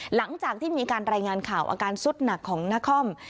หลังจากที่มีการรายงานข่าวอาการสุดหนักของนคร